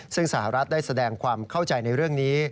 ซึ่งสหรัฐได้แสดงความเข้าใจในเรื่องนี้